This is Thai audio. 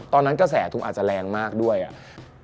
ตอนนั้นกระแสถูงอาจจะแรงมากด้วยอ่ะ